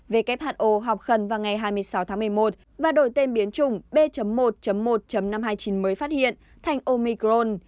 who họp khẩn vào ngày hai mươi sáu tháng một mươi một và đổi tên biến chủng b một một năm trăm hai mươi chín mới phát hiện thành omicrone